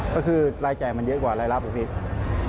ก็คือรายจ่ายมันเยอะกว่ารายรับเหรอพี่